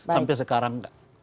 sampai sekarang nggak